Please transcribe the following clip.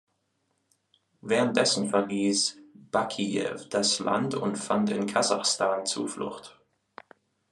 Währenddessen verließ Bakijew das Land und fand in Kasachstan Zuflucht.